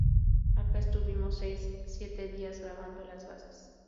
Acá estuvimos seis, siete días grabando las bases.